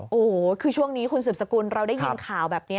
โอ้โหคือช่วงนี้คุณสืบสกุลเราได้ยินข่าวแบบนี้